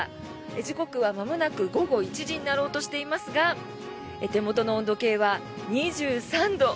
時刻はまもなく午後１時になろうとしていますが手元の温度計は２３度。